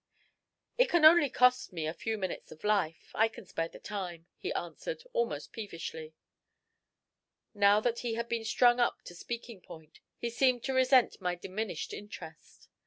"It can only cost me a few minutes of life I can spare the time," he answered, almost peevishly. Now that he had been strung up to speaking point, he seemed to resent my diminished interest.